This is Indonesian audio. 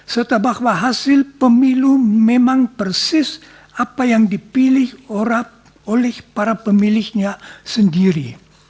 serta bahwa hasil pemilu memang persis apa yang dipilih oleh para pemilihnya sendiri